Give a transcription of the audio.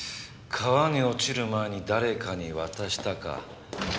川に落ちる前に誰かに渡したかあるいは。